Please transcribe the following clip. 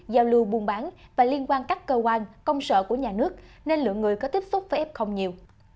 giao lưu buôn bán và liên quan các cơ quan công sở của nhà nước nên lượng người có tiếp xúc với f không nhiều